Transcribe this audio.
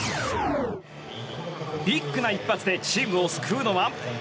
ビッグな一発でチームを救うのは？